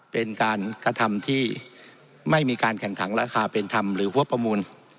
เป็นการกระทำที่ไม่มีการแข่งขันราคาเป็นธรรมหรือหัวประมูล